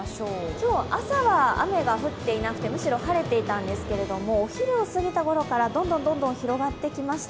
今日は朝は雨が降っていなくてむしろ晴れていたんですけれどもお昼を過ぎたころからどんどんどんどん広がってきました。